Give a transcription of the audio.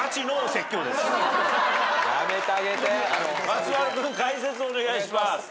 松丸君解説お願いします。